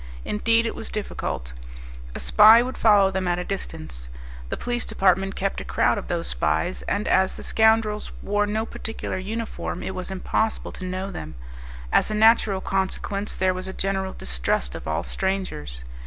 Indeed, it was difficult. A spy would follow them at a distance. The police department kept a crowd of those spies, and as the scoundrels wore no particular uniform, it was impossible to know them; as a natural consequence, there was a general distrust of all strangers.